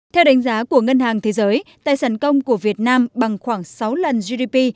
theo đánh giá của ngân hàng thế giới tài sản công của việt nam bằng khoảng sáu lần gdp